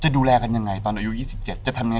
จะดูแลกันยังไงตอนอายุ๒๗